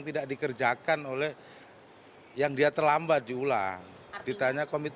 kalau di kita yang datang duluan baru pertama itu dapat untah kalau hari jumat